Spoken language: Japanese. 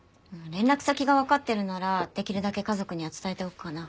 連絡先がわかってるならできるだけ家族には伝えておくかな。